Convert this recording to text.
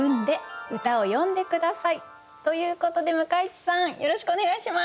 ということで向井地さんよろしくお願いします。